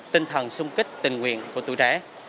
tinh thần sung kích tình nguyện của tụi trẻ